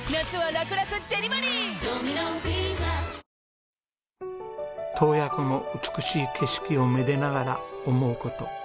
ニトリ洞爺湖の美しい景色をめでながら思う事。